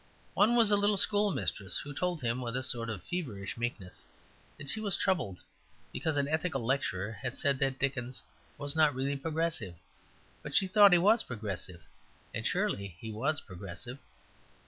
One was a little schoolmistress who told him with a sort of feverish meekness that she was troubled because an Ethical Lecturer had said that Dickens was not really Progressive; but she thought he was Progressive; and surely he was Progressive.